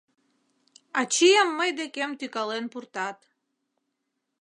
Ачийым мый декем тӱкален пуртат.